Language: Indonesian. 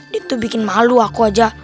dia tuh bikin malu aku aja